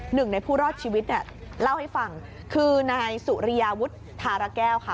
หนึ่งในผู้รอดชีวิตเนี่ยเล่าให้ฟังคือนายสุริยาวุฒิธารแก้วค่ะ